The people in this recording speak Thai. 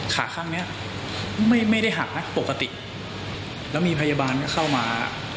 ขาข้างเนี้ยไม่ได้หักนะปกติแล้วมีพยาบาลเข้ามา